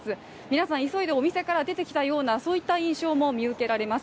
皆さん急いでお店から出てきたような印象も見受けられます。